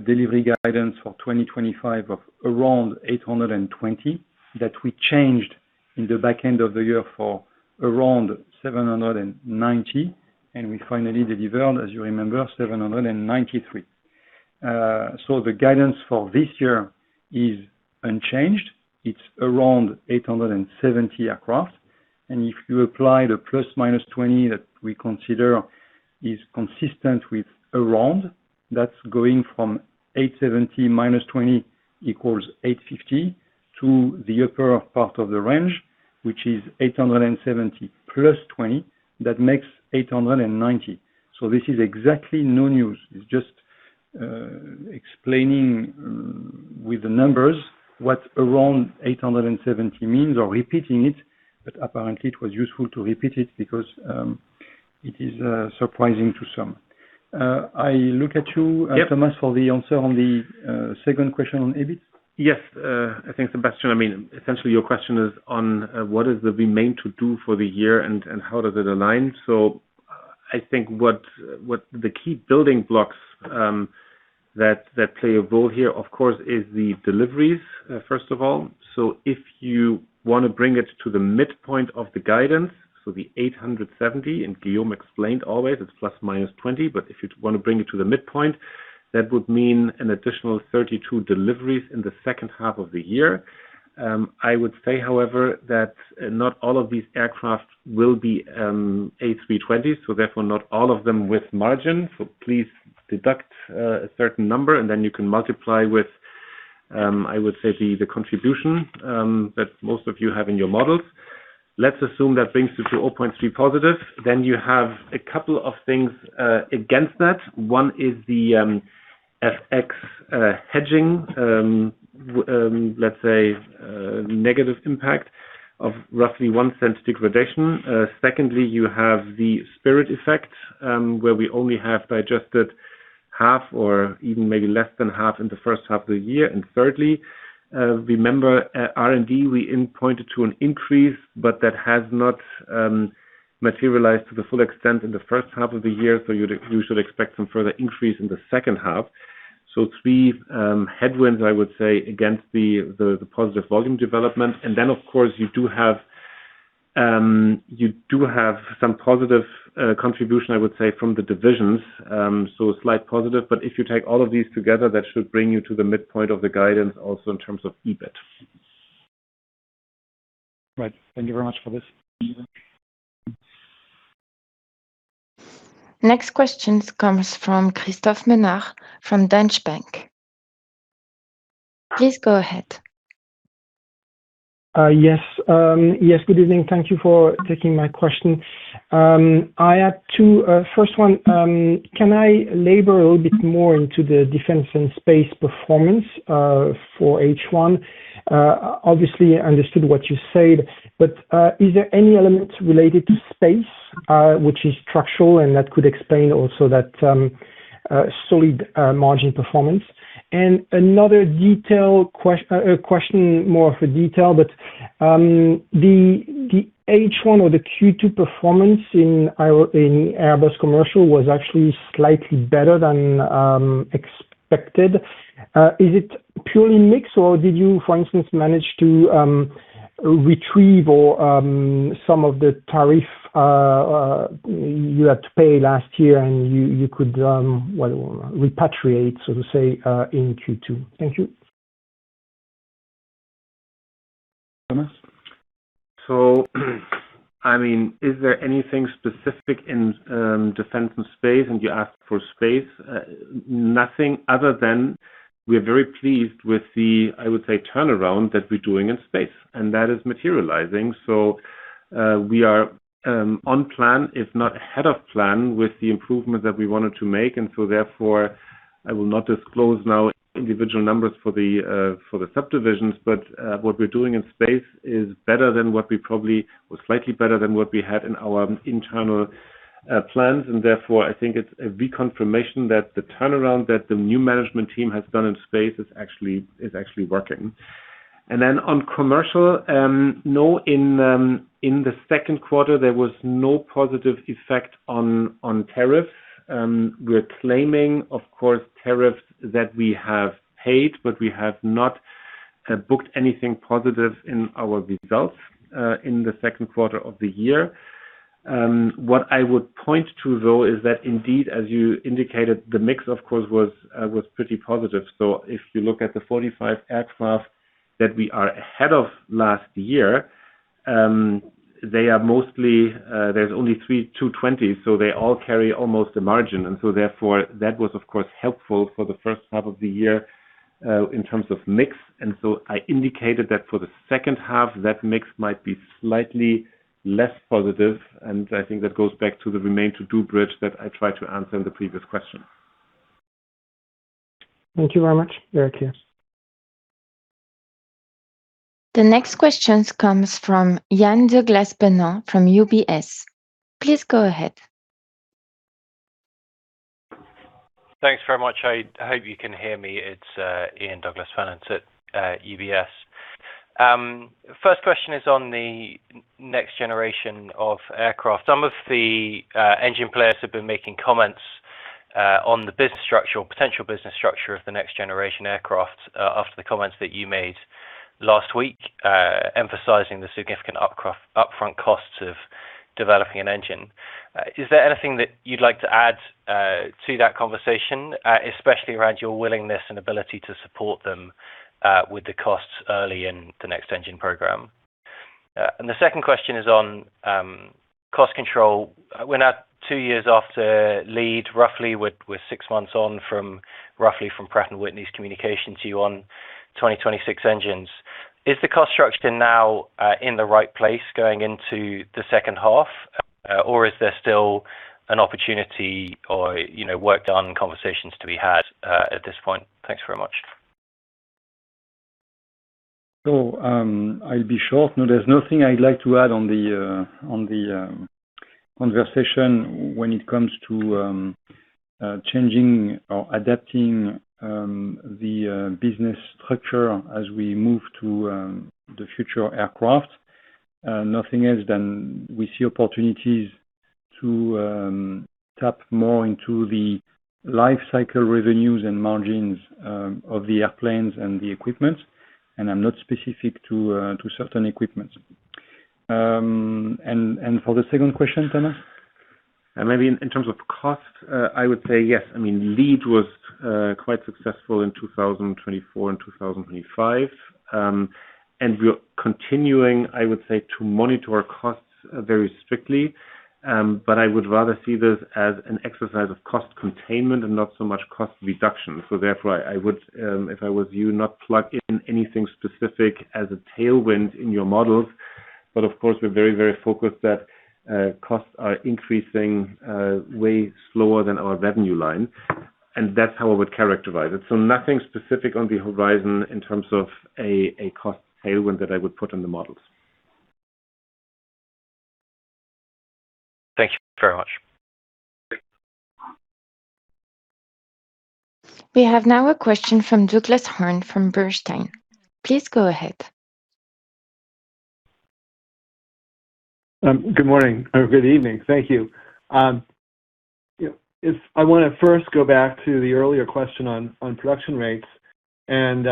delivery guidance for 2025 of around 820 that we changed in the back end of the year for around 790. We finally delivered, as you remember, 793. The guidance for this year is unchanged. It's around 870 aircraft. If you apply the ±20 that we consider is consistent with around, that's going from 870-20=850 to the upper part of the range, which is 870+20, that makes 890. This is exactly no news. It's just explaining with the numbers what around 870 means or repeating it, but apparently it was useful to repeat it because it is surprising to some. I look at you- Yep Thomas, for the answer on the second question on EBIT. Yes. I think, Sebastian, essentially your question is on what is the remain to do for the year and how does it align. I think what the key building blocks that play a role here, of course, is the deliveries, first of all. If you want to bring it to the midpoint of the guidance, the 870, and Guillaume explained always it's ±20, but if you want to bring it to the midpoint That would mean an additional 32 deliveries in the second half of the year. I would say, however, that not all of these aircraft will be A320, therefore, not all of them with margin. Please deduct a certain number, then you can multiply with, I would say, the contribution that most of you have in your models. Let's assume that brings you to 0.3 positive. You have a couple of things against that. One is the FX hedging. Let's say negative impact of roughly 0.01 degradation. Secondly, you have the Spirit effect, where we only have digested half or even maybe less than half in the first half of the year. Thirdly, remember at R&D, we pointed to an increase, but that has not materialized to the full extent in the first half of the year, you should expect some further increase in the second half. Three headwinds, I would say, against the positive volume development. Then, of course, you do have some positive contribution, I would say, from the divisions. Slight positive, but if you take all of these together, that should bring you to the midpoint of the guidance also in terms of EBIT. Right. Thank you very much for this. Next questions comes from Christophe Menard from Deutsche Bank. Please go ahead. Yes. Good evening. Thank you for taking my question. I had two. First one, can I labor a little bit more into the Defense and Space performance, for H1? Obviously, I understood what you said, but is there any element related to space which is structural and that could explain also that solid margin performance? Another question more for detail, but the H1 or the Q2 performance in Airbus Commercial was actually slightly better than expected. Is it purely mix, or did you, for instance, manage to retrieve some of the tariff you had to pay last year and you could repatriate, so to say, in Q2? Thank you. Thomas? Is there anything specific in defense and space, and you ask for space? Nothing other than we're very pleased with the, I would say, turnaround that we're doing in space, and that is materializing. We are on plan, if not ahead of plan, with the improvement that we wanted to make. Therefore, I will not disclose now individual numbers for the subdivisions, but what we're doing in space is better than what we probably or slightly better than what we had in our internal plans. Therefore, I think it's a reconfirmation that the turnaround that the new management team has done in space is actually working. Then on commercial, no, in the second quarter, there was no positive effect on tariff. We're claiming, of course, tariffs that we have paid, we have not booked anything positive in our results in the second quarter of the year. What I would point to, though, is that indeed, as you indicated, the mix, of course, was pretty positive. If you look at the 45 aircraft that we are ahead of last year, there's only three A220s, they all carry almost a margin. Therefore, that was, of course, helpful for the first half of the year, in terms of mix. I indicated that for the second half, that mix might be slightly less positive, and I think that goes back to the remain to do bridge that I tried to answer in the previous question. Thank you very much. Very clear. The next questions comes from Ian Douglas-Pennant from UBS. Please go ahead. Thanks very much. I hope you can hear me. It's Ian Douglas-Pennant at UBS. First question is on the next generation of aircraft. Some of the engine players have been making comments on the potential business structure of the next generation aircraft after the comments that you made last week, emphasizing the significant upfront costs of developing an engine. Is there anything that you'd like to add to that conversation, especially around your willingness and ability to support them with the costs early in the next engine program? The second question is on cost control. We're now two years after LEAD!, roughly, with six months on roughly from Pratt & Whitney's communication to you on 2026 engines. Is the cost structure now in the right place going into the second half? Is there still an opportunity or work done, conversations to be had at this point? Thanks very much. I'll be short. No, there's nothing I'd like to add on the conversation when it comes to changing or adapting the business structure as we move to the future aircraft. Nothing else than we see opportunities to tap more into the life cycle revenues and margins of the airplanes and the equipment. I'm not specific to certain equipment. For the second question, Thomas? Maybe in terms of cost, I would say yes. LEAD! was quite successful in 2024 and 2025. We are continuing, I would say, to monitor our costs very strictly, but I would rather see this as an exercise of cost containment and not so much cost reduction. Therefore, I would, if I was you, not plug in anything specific as a tailwind in your models. Of course, we're very focused that costs are increasing way slower than our revenue line, and that's how I would characterize it. Nothing specific on the horizon in terms of a cost tailwind that I would put on the models. Thank you very much. We have now a question from Douglas Harned from Bernstein. Please go ahead. Good morning or good evening. Thank you. I want to first go back to the earlier question on production rates. In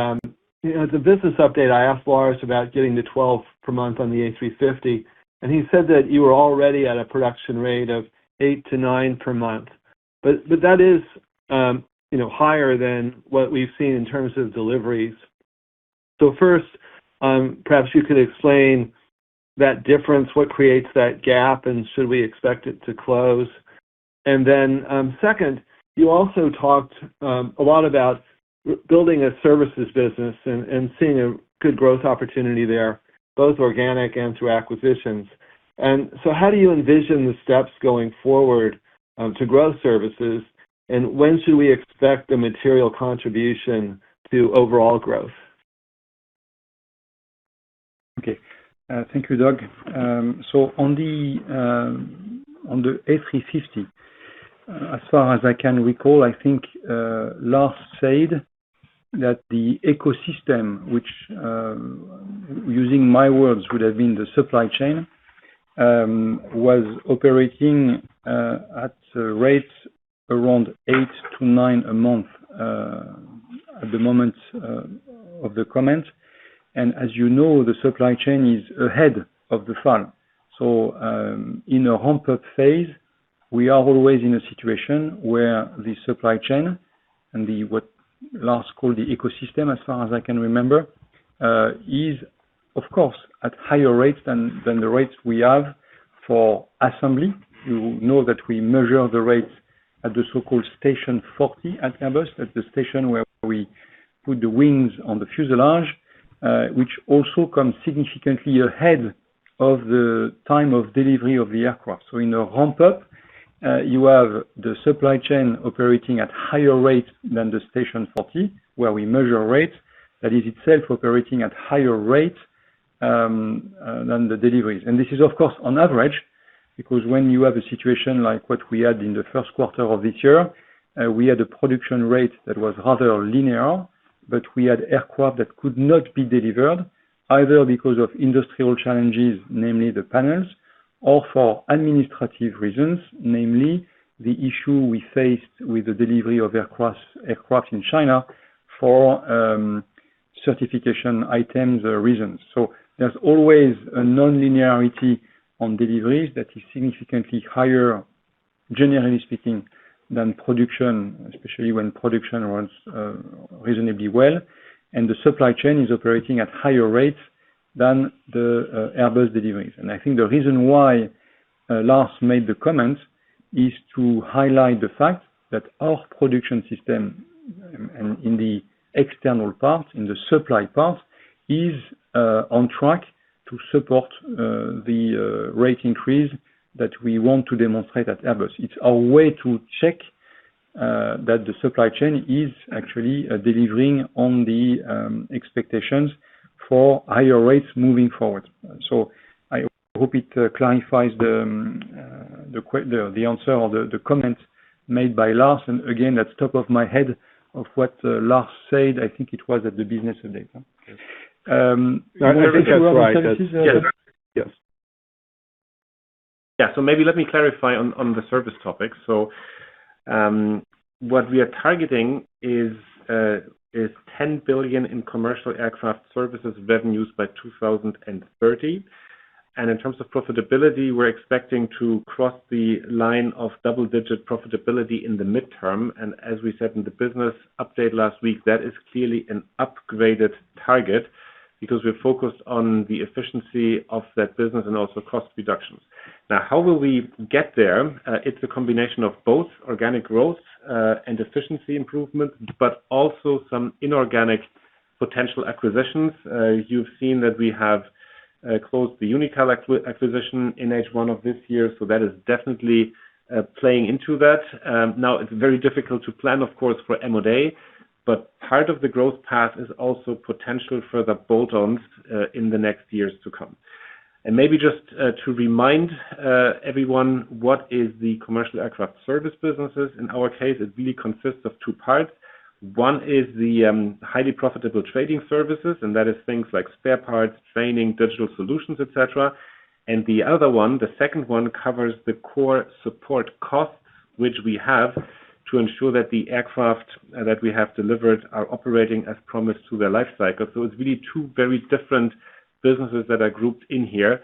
the business update, I asked Lars about getting to 12 per month on the A350, and he said that you were already at a production rate of eight to nine per month. That is higher than what we've seen in terms of deliveries. First, perhaps you could explain that difference, what creates that gap, and should we expect it to close? Then, second, you also talked a lot about building a services business and seeing a good growth opportunity there, both organic and through acquisitions. How do you envision the steps going forward to growth services, and when should we expect a material contribution to overall growth? Okay. Thank you, Doug. On the A350, as far as I can recall, I think Lars said that the ecosystem, which using my words would have been the supply chain, was operating at rates around eight to nine a month at the moment of the comment. As you know, the supply chain is ahead of the farm. In a ramp-up phase, we are always in a situation where the supply chain and what Lars called the ecosystem, as far as I can remember, is of course at higher rates than the rates we have for assembly. You know that we measure the rates at the so-called Station 40 at Airbus, at the station where we put the wings on the fuselage, which also comes significantly ahead of the time of delivery of the aircraft. In a ramp-up, you have the supply chain operating at higher rates than the Station 40, where we measure rates that is itself operating at higher rates than the deliveries. This is of course on average, because when you have a situation like what we had in the first quarter of this year, we had a production rate that was rather linear, but we had aircraft that could not be delivered either because of industrial challenges, namely the panels, or for administrative reasons, namely the issue we faced with the delivery of aircraft in China for certification items reasons. There's always a non-linearity on deliveries that is significantly higher, generally speaking, than production, especially when production runs reasonably well and the supply chain is operating at higher rates than the Airbus deliveries. I think the reason why Lars made the comment is to highlight the fact that our production system in the external parts, in the supply parts, is on track to support the rate increase that we want to demonstrate at Airbus. It's our way to check that the supply chain is actually delivering on the expectations for higher rates moving forward. I hope it clarifies the answer or the comment made by Lars. Again, that's top of my head of what Lars said. I think it was at the business update. Yes. I think that's right. Yes. Maybe let me clarify on the service topic. What we are targeting is 10 billion in commercial aircraft services revenues by 2030. In terms of profitability, we're expecting to cross the line of double-digit profitability in the midterm. As we said in the business update last week, that is clearly an upgraded target because we're focused on the efficiency of that business and also cost reductions. How will we get there? It's a combination of both organic growth and efficiency improvement, but also some inorganic potential acquisitions. You've seen that we have closed the Unical acquisition in H1 of this year, that is definitely playing into that. It's very difficult to plan, of course, for M&A, but part of the growth path is also potential further bolt-ons in the next years to come. Maybe just to remind everyone what is the commercial aircraft service businesses. In our case, it really consists of two parts. One is the highly profitable trading services, and that is things like spare parts, training, digital solutions, et cetera. The other one, the second one, covers the core support costs, which we have to ensure that the aircraft that we have delivered are operating as promised to their life cycle. It's really two very different businesses that are grouped in here,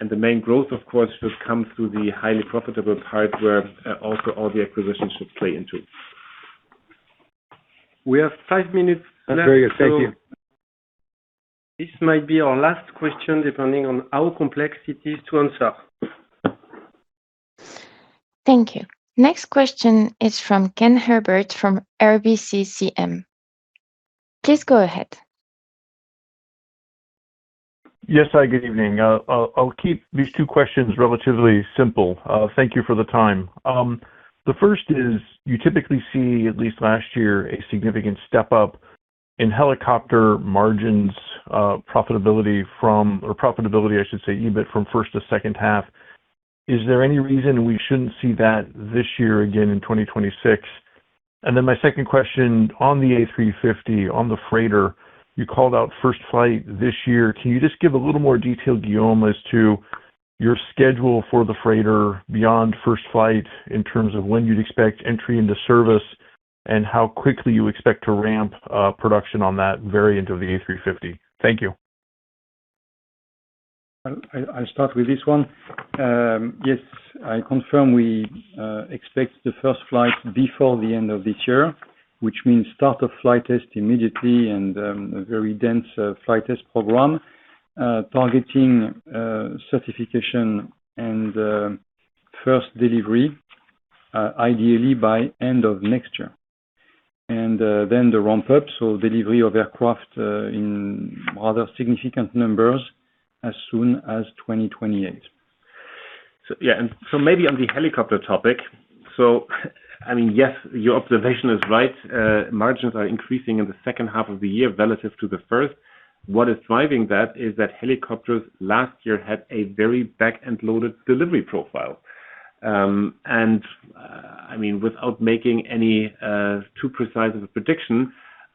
and the main growth, of course, should come through the highly profitable part where also all the acquisitions should play into. We have five minutes left. That's very good. Thank you. This might be our last question depending on how complex it is to answer. Thank you. Next question is from Ken Herbert from RBCCM. Please go ahead. Yes, hi, good evening. I'll keep these two questions relatively simple. Thank you for the time. The first is, you typically see, at least last year, a significant step up in helicopter margins profitability from, or profitability, I should say, EBIT, from first to second half. Is there any reason we shouldn't see that this year again in 2026? My second question on the A350, on the freighter, you called out first flight this year. Can you just give a little more detail, Guillaume, as to your schedule for the freighter beyond first flight in terms of when you'd expect entry into service and how quickly you expect to ramp up production on that variant of the A350? Thank you. I'll start with this one. Yes, I confirm we expect the first flight before the end of this year, which means start of flight test immediately and a very dense flight test program, targeting certification and first delivery, ideally by end of next year. The ramp up, so delivery of aircraft in rather significant numbers as soon as 2028. Maybe on the helicopter topic. Yes, your observation is right. Margins are increasing in the second half of the year relative to the first. What is driving that is that helicopters last year had a very back-end loaded delivery profile. Without making any too precise of a prediction,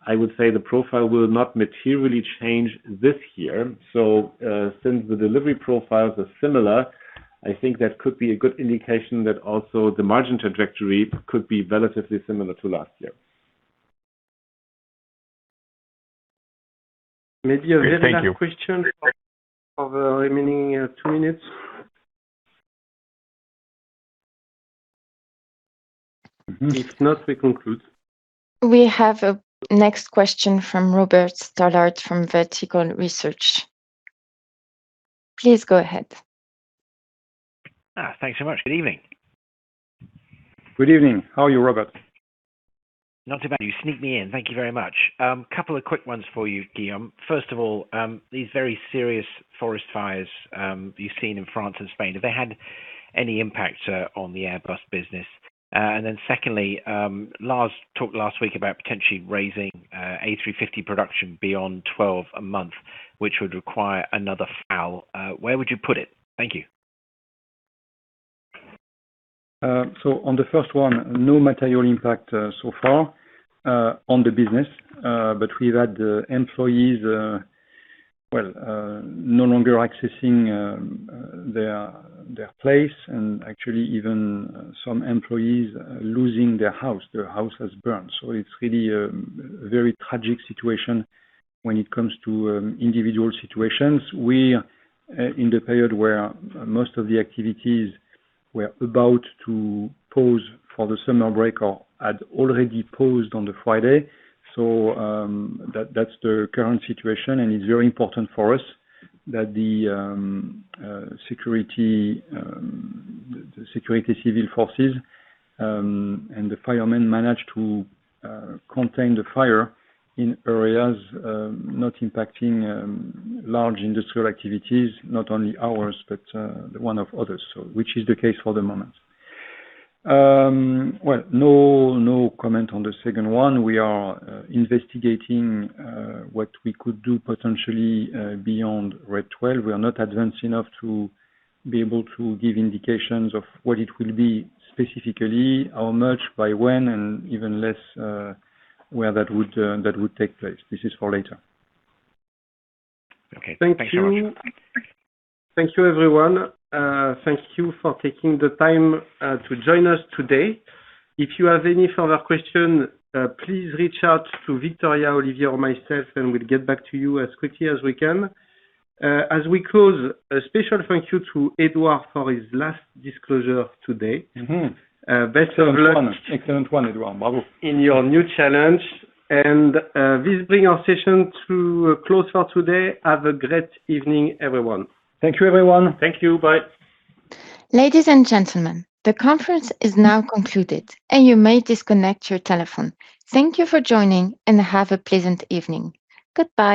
I would say the profile will not materially change this year. Since the delivery profiles are similar, I think that could be a good indication that also the margin trajectory could be relatively similar to last year. Maybe a very last question. For the remaining two minutes. If not, we conclude. We have a next question from Robert Stallard from Vertical Research. Please go ahead. Thanks so much. Good evening. Good evening. How are you, Robert? Not too bad. You sneaked me in. Thank you very much. A couple of quick ones for you, Guillaume. First of all, these very serious forest fires you've seen in France and Spain, have they had any impact on the Airbus business? Secondly, Lars talked last week about potentially raising A350 production beyond 12 a month, which would require another FAL. Where would you put it? Thank you. On the first one, no material impact so far on the business. We've had employees, well, no longer accessing their place and actually even some employees losing their house, their house has burned. It's really a very tragic situation when it comes to individual situations. We, in the period where most of the activities were about to pause for the summer break or had already paused on the Friday. That's the current situation, and it's very important for us that the Sécurité Civile forces, and the firemen managed to contain the fire in areas not impacting large industrial activities, not only ours, but one of others. Which is the case for the moment. Well, no comment on the second one. We are investigating what we could do potentially beyond rate 12. We are not advanced enough to be able to give indications of what it will be specifically, how much, by when, and even less, where that would take place. This is for later. Okay. Thanks very much. Thank you. Thank you everyone. Thank you for taking the time to join us today. If you have any further question, please reach out to Victoria, Olivier Prébaux, or myself, and we'll get back to you as quickly as we can. As we close, a special thank you to Eduard for his last disclosure today. Best of luck- Excellent one, Eduard. Bravo. In your new challenge. This bring our session to a close for today. Have a great evening, everyone. Thank you, everyone. Thank you. Bye. Ladies and gentlemen, the conference is now concluded, and you may disconnect your telephone. Thank you for joining, and have a pleasant evening. Goodbye.